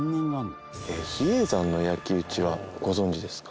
比叡山の焼き討ちはご存じですか？